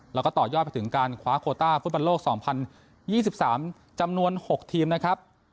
แล้วก็ต่อย่อยไปถึงการคว้าโคต้าฟุตบันโลกสองพันยี่สิบสามจำนวนหกทีมนะครับ